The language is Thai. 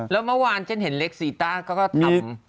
แล้วเมื่อวานฉันเห็นเล็กซีต้าก็ก็ทำแกงเวียวหวาน